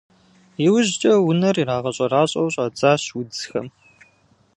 Иужькӏэ унэр ирагъэщӏэращӏэу щӏадзащ удзхэм.